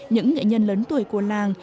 những nghệ nhân lớn tuổi của làng